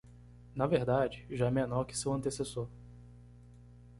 Na verdade, já é menor que seu antecessor.